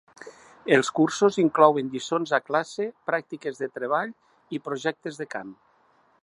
Els cursos inclouen lliçons a classe, pràctiques de treball i projectes de camp.